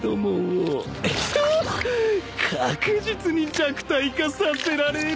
ヒョッ確実に弱体化させられる。